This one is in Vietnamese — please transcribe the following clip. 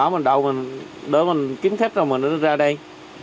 để mình đậu để mình kiếm khách rồi mình ra đây